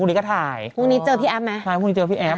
พูดนี้เจอพี่แอฟไหม